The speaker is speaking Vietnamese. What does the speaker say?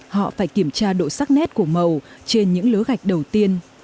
họ phải kiểm tra độ sắc nét của màu trên những lứa gạch đầu tiên